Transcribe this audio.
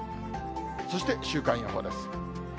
そして週間予報です。